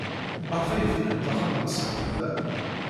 Maɣef ay bnant axxam-nsent da?